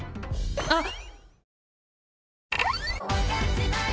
あっ。